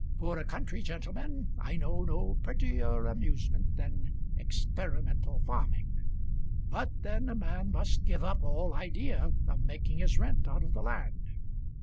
For a country gentleman I know no prettier amusement than experimental farming; but then a man must give up all idea of making his rent out of the land."